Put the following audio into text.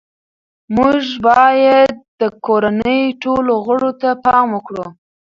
موږ باید د کورنۍ ټولو غړو ته پام وکړو